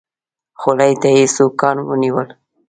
خولې ته يې سوکان ونيول.